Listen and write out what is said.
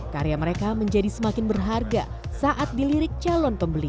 karya mereka menjadi semakin berharga saat dilirik calon pembeli